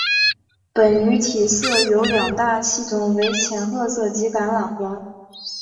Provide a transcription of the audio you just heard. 本鱼体色有两大系统为浅褐色及橄榄黄。